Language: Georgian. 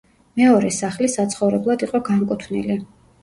მეორე სახლი საცხოვრებლად იყო განკუთვნილი.